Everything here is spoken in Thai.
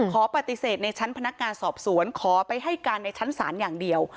ขอปฏิเสธในชั้นพนักงานสอบสวนขอไปให้การในชั้นศาลอย่างเดียว